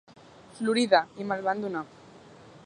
Florida, i me'l van donar.